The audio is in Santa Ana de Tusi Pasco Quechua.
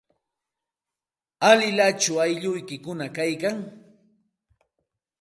¿Alilachu aylluykikuna kaykan?